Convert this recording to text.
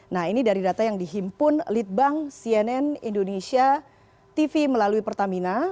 nah ini dari data yang dihimpun litbang cnn indonesia tv melalui pertamina